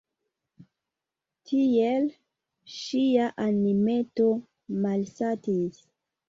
Tiel ŝia animeto malsatis.